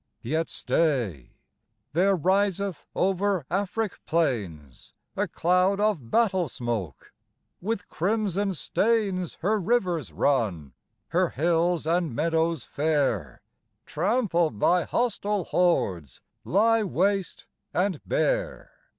Yet stay there riseth over Afric plains A cloud of battle smoke; with crimson stains Her rivers run; her hills and meadows fair, Trampled by hostile hordes, lie waste and bare.